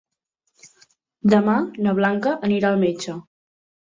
Demà na Blanca anirà al metge.